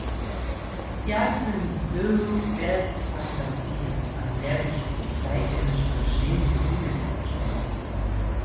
Ja sym był bjez fantazije a njebych sej tajke něšto ženje wumyslić móhł.